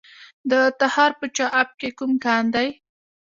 د تخار په چاه اب کې کوم کان دی؟